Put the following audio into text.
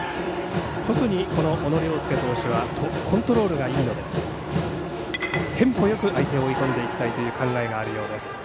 特に小野涼介投手はコントロールがいいのでテンポよく相手を追い込んでいきたいという考えがあるようです。